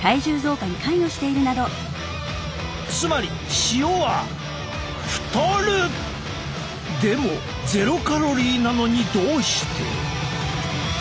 つまり塩はでもゼロカロリーなのにどうして？